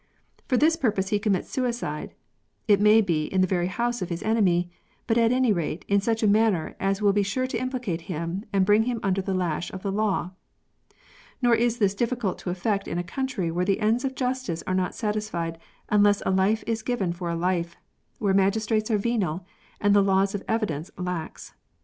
For this purpose he commits suicide, it may be in the very house of his enemy, but at any rate in such a manner as will be sure to implicate him and bring him under the lash of the law. Nor is this difficult to effect in a country where the ends of jus tice are not satisfied unless a life is given for a life, where magistrates are venal, and the laws of evidence lax.